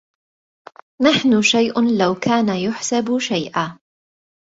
نحن شيء لو كان يحسب شيئا